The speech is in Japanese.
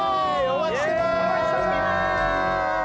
お待ちしてます